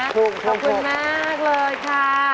ขอบคุณมากเลยค่ะ